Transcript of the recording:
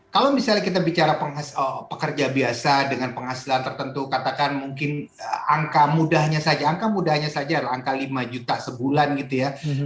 kalau misalnya kita bicara pekerja biasa dengan penghasilan tertentu katakan mungkin angka mudahnya saja angka mudahnya saja angka lima juta sebulan gitu ya